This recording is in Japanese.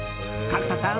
角田さん